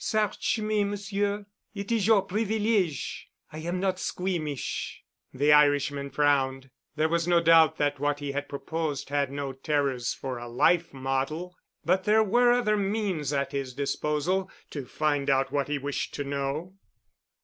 "Search me, Monsieur. It is your privilege. I am not squeamish." The Irishman frowned. There was no doubt that what he had proposed had no terrors for a life model. But there were other means at his disposal, to find out what he wished to know.